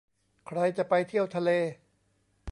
ใครจะไปเที่ยวทะเล